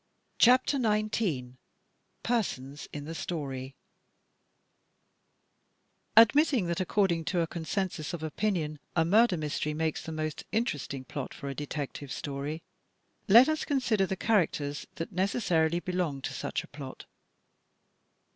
CHAPTER XIX PERSONS IN THE STORY Admitting that, according to a consensus of opinion, a murder mystery makes the most interesting plot for a Detec tive Story, let us consider the characters that necessarily belong to such a plot.